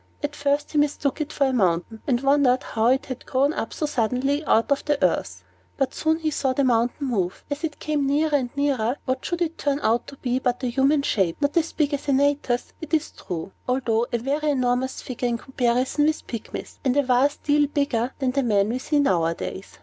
At first he mistook it for a mountain, and wondered how it had grown up so suddenly out of the earth. But soon he saw the mountain move. As it came nearer and nearer, what should it turn out to be but a human shape, not so big as Antaeus, it is true, although a very enormous figure, in comparison with Pygmies, and a vast deal bigger than the men we see nowadays.